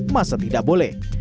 masa tidak boleh